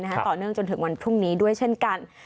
ต่อเนื่องจนถึงวันพรุ่งนี้ด้วยเช่นกัน